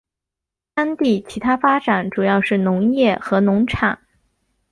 当地其它发展主要是农业和农场。